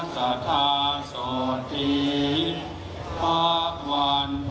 สัตุมาที่บัวตะวันตารัจ